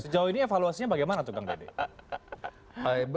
sejauh ini evaluasinya bagaimana tuh kang dede